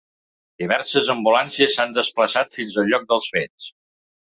Diverses ambulàncies s’han desplaçat fins el lloc dels fets.